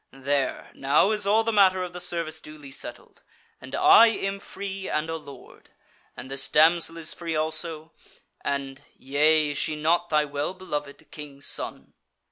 There, now is all the matter of the service duly settled, and I am free and a Lord. And this damsel is free also, and yea, is she not thy well beloved, King's Son?"